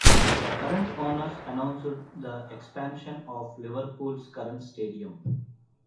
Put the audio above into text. The current owners announced the expansion of Liverpool's current stadium.